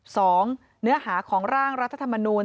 สองเนื้อหาของร่างรัฐธรรมนูล